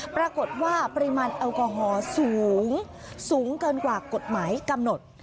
ปริมาณแอลกอฮอล์สูงสูงเกินกว่ากฎหมายกำหนด